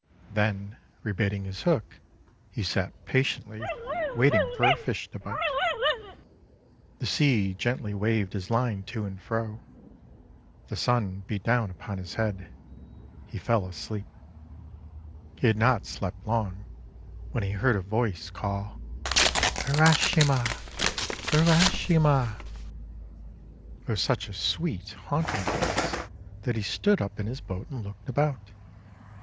Then, rebaiting his hook, he sat patiently waiting for a fish to bite. The sea gently waved his line to and fro. The Sun beat down upon his head. He fell asleep. He had not slept long, when he heard a voice call :— "Urashima! Urashima! 5! It was such a sweet, haunting voice that he stood up in his boat, and looked about.